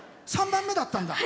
３番目だったんだ。